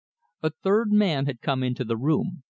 A third man had come into the room.